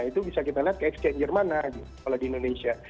itu bisa kita lihat ke exchanger mana kalau di indonesia